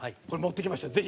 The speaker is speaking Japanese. これ持ってきました。